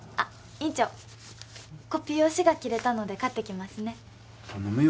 院長コピー用紙が切れたので買ってきますね頼むよ